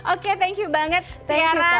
oke thank you banget terarah